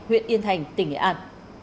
huyện yên thành tỉnh nghệ an